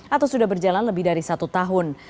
atau sudah berjalan lebih dari satu tahun